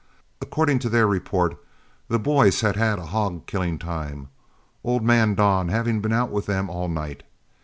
According to their report the boys had had a hog killing time, old man Don having been out with them all night.